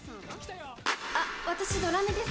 あっ、私、ドラミです。